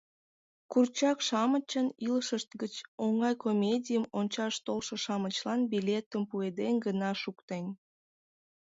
Курчак-шамычын илышышт гыч оҥай комедийым ончаш толшо-шамычлан билетым пуэден гына шуктен.